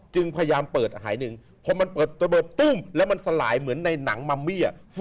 จึงพยายามเปิดหายหนึ่งพอมันเปิดตรงตุ้มและมันสลายเหมือนในน้ำมะมี่อ่ะ